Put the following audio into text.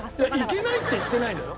いけないって言ってないのよ。